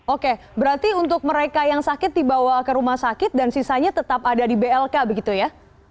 oke berarti untuk mereka yang sakit dibawa ke rumah sakit dan sisanya tetap ada di blk begitu ya